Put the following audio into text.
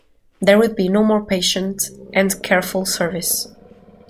There would be no more patient and careful service.